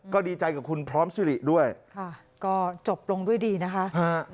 ก็ดีใจกับคุณพร้อมสิริด้วยค่ะก็จบลงด้วยดีนะคะ